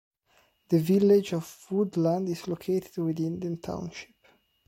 The village of Woodland is located within the township.